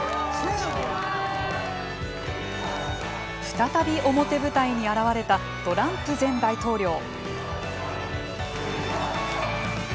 再び表舞台に現れたトランプ前大統領。